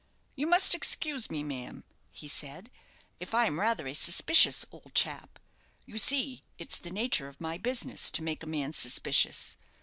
"You must excuse me, ma'am," he said, "if I'm rather a suspicious old chap. You see, it's the nature of my business to make a man suspicious.